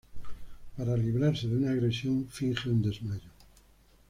Para librarse de una agresión, finge un desmayo.